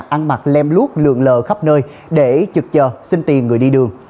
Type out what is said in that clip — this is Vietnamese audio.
ăn mặc lem lút lường lờ khắp nơi để trực chờ xin tìm người đi đường